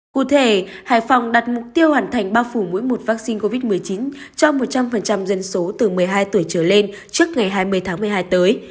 cụ thể hải phòng đặt mục tiêu hoàn thành bao phủ mỗi một vaccine covid một mươi chín cho một trăm linh dân số từ một mươi hai tuổi trở lên trước ngày hai mươi tháng một mươi hai tới